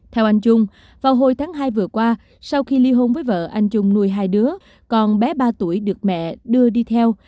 theo anh trung vào hồi tháng hai vừa qua sau khi ly hôn với vợ anh trung nuôi hai đứa con bé ba tuổi được mẹ đưa đi theo